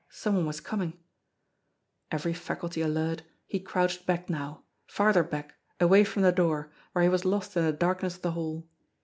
Some one was coming ! Every faculty alert, he crouched back now farther back, away from the door, where he was lost in the darkness of the hall.